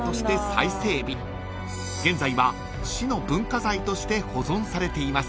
［現在は市の文化財として保存されています］